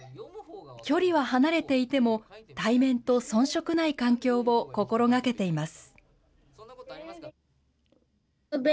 距離は離れていても、対面と遜色ない環境を心がけています。